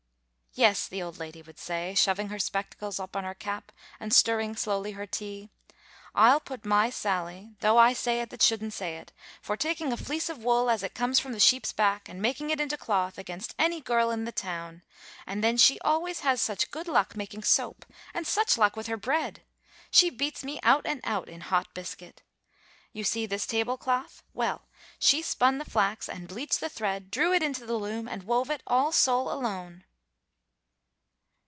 "Yes," the old lady would say, shoving her spectacles up on her cap, and stirring slowly her tea, "I'll put my Sally, though I say it that shouldn't say it, for taking a fleece of wool as it comes from the sheep's back, and making it into cloth, against any girl in the town; and then she always has such good luck making soap, and such luck with her bread! she beats me out and out in hot biscuit. You see this table cloth; well, she spun the flax, and bleached the thread, drew it into the loom, and wove it, all sole alone."